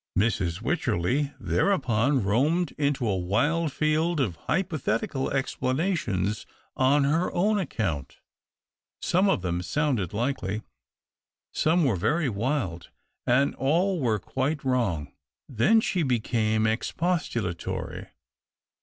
Mrs. Wycherley there upon roamed into a wild field of hypothetical explanations on her own account. Some of them sounded likely, some were very wild, and all were quite wrong. Then she became expostulatory.